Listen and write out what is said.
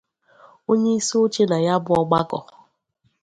onyeisioche na ya bụ ọgbakọ